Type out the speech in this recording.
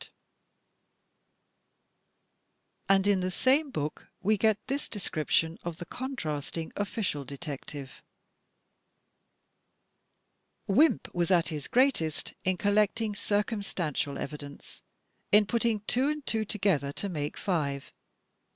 152 THE TECHNIQUE OF THE MYSTERY STORY And in the same book, we get this description of the con trasting official detective: Wimp was at his greatest in collecting circumstantial evidence; in putting two and two together to make five.